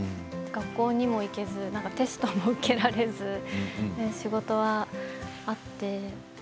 学校にも行けずテストも受けられず仕事はあって。